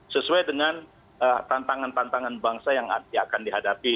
sesuai dengan tantangan tantangan bangsa yang akan dihadapi